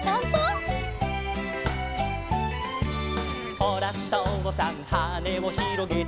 「ほらとうさんはねをひろげて」